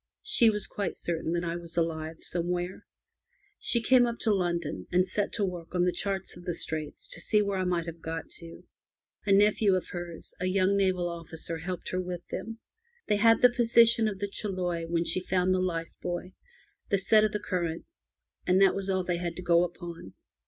She was quite certain that I was alive somewhere. She came up to London, and set to work on the charts of the Straits to see where I might have got to. A nephew of hers, a young naval officer, helped her with them. They had the position of the Chiloe when she found the life buoy, the set of the current, and that was all they had to go upon.